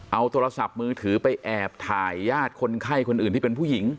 เอาโทรศัพท์มือถือไปแอบถ่ายญาติคนไข้คนอื่นที่เป็นผู้หญิง